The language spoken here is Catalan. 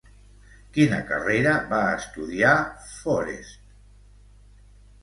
Quina carrera va estudiar Forest?